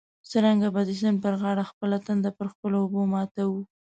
څرنګه به د سیند پر غاړه خپله تنده په خپلو اوبو ماتوو.